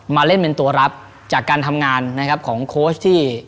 มาเล่นเป็นตัวรับจากการทำงานนะครับของโค้ชที่